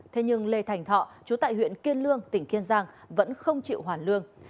thế nhưng lê thành thọ chú tại huyện kiên lương tỉnh kiên giang vẫn không chịu hoàn lương